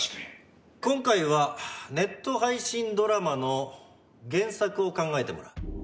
今回はネット配信ドラマの原作を考えてもらう。